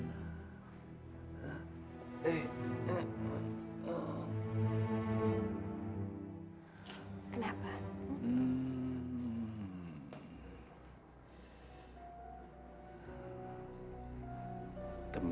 eh jangan lama lama